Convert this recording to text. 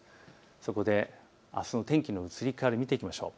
そこであすの天気の移り変わり見ていきましょう。